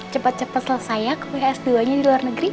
cepet cepet selesai ya keluar s dua nya di luar negeri